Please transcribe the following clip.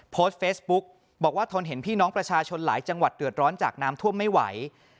โพสต์เฟซบุ๊กบอกว่าทนเห็นพี่น้องประชาชนหลายจังหวัดเดือดร้อนจากน้ำท่วมไม่ไหว